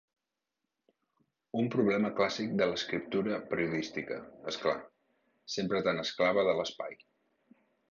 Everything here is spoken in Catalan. Un problema clàssic de l'escriptura periodística, és clar, sempre tan esclava de l'espai.